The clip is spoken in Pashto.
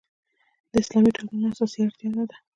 د اسلامي ټولنو اساسي اړتیا دا ده.